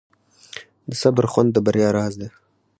د صبر خوند د بریا راز دی.